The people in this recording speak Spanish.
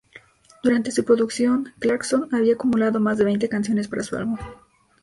Durante su producción, Clarkson había acumulado más de veinte canciones para su álbum.